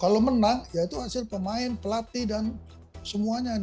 kalau menang ya itu hasil pemain pelatih dan semuanya